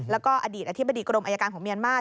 แล้วก็อดีตอธิบดีกรมอายการของเมียนมาส